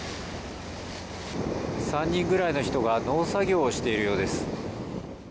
３人ぐらいの人が農作業をしているようです